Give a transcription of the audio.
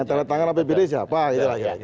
yang telah tanggal apbd siapa gitu lah